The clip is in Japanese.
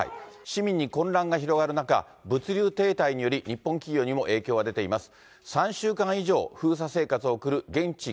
市民に混乱が広がる中、物流停滞により、日本企業にも影響が出ています。